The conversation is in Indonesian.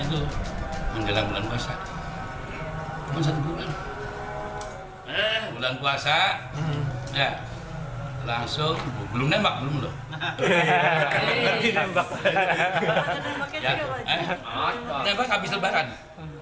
itu menjelang bulan puasa hai pulang kuasa ya langsung belum nembak belum loh hahaha